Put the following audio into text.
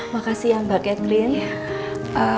makasih ya mbak catherine